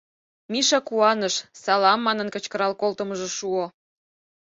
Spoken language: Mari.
Миша куаныш, «Салам!» манын кычкырал колтымыжо шуо.